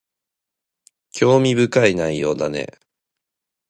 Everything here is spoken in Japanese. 興味深い内容だね